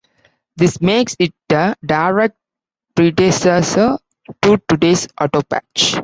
This makes it a direct predecessor to today's autopatch.